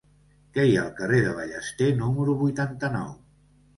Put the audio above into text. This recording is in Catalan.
Què hi ha al carrer de Ballester número vuitanta-nou?